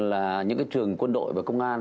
là những trường quân đội và công an